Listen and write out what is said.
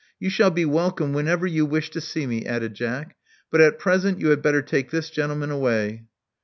You shall be welcome whenever you wish to see me," added Jack; but at present you had better take this gentle man away."